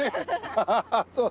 アハハそう。